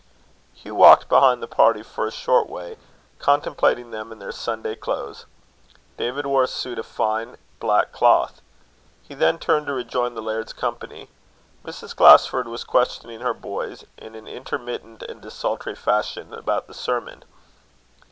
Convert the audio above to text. Hugh walked behind the party for a short way, contemplating them in their Sunday clothes: David wore a suit of fine black cloth. He then turned to rejoin the laird's company. Mrs. Glasford was questioning her boys, in an intermittent and desultory fashion, about the sermon.